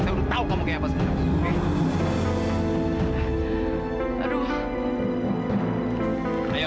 saya udah tahu kamu kayak apa sebenarnya